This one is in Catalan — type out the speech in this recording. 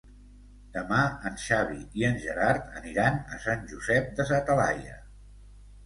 Demà en Xavi i en Gerard aniran a Sant Josep de sa Talaia.